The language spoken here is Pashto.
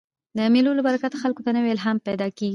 د مېلو له برکته خلکو ته نوی الهام پیدا کېږي.